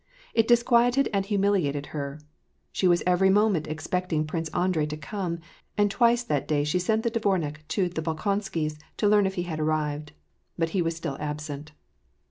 It disquieted and humiliated her. She was every moment expecting Prince Andrei to come, and twice that day she sent the dvomik to the Bolkonskys' to learn if he had arrived. But he was still absent.